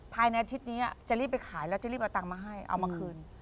ภายในอาทิตย์นี้จะรีบไปขายแล้วจะรีบเอาตังค์มาให้เอามาคืน